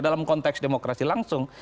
dalam konteks demokrasi langsung